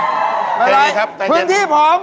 เมื่อไหร่ครับพื้นที่ผม